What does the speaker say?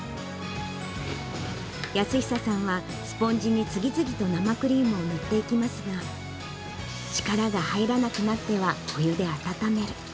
泰久さんは、スポンジに次々と生クリームをぬっていきますが、力が入らなくなってはお湯で温める。